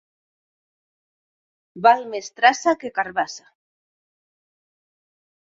Val més traça que carabassa.